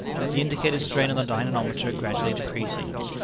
The indicated strain on the dynamometer gradually decreasing.